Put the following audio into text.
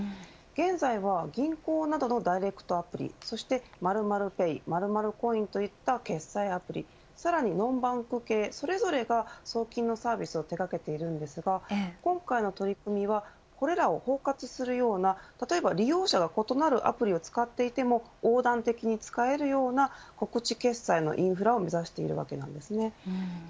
現在は銀行などのダイレクトアプリそして○○ペイ○○ポイントを行った決済アプリさらにノンバンク系それぞれが送金のサービスを手がけているんですが今回の取り組みはこれらを包括するような例えば利用者が異なるアプリを使っていても横断的に使えるような小口決済のインフラを目指しているわけです。